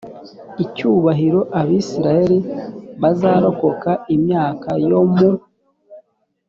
icyubahiro abisirayeli bazarokoka imyaka yo mu